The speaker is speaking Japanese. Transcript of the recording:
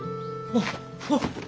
あっあっ！